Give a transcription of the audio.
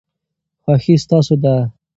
خوښي ستاسو ده.